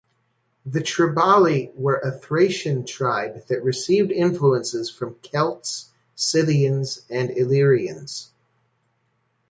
The Triballi were a Thracian tribe that received influences from Celts, Scythians and Illyrians.